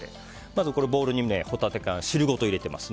まずボウルにホタテ缶を汁ごと入れてます。